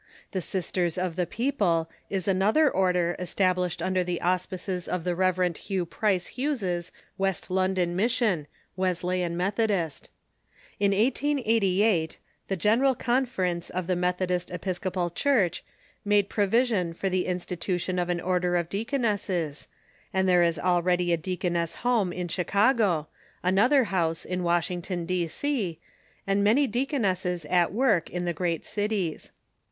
The Sisters of the People is another order established under the auspices of the Rev. Hugh Price Hughes's West London Mission (Wesleyan Methodist). In 1888 the General Conference of the Methodist Episcopal Church made provision for the institution of an order of Deaconesses, and there is already a Deaconess Home in Chicago, another House in Washington, D.C., and many deaconesses at work in the great cities.